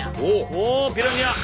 おおピラニア！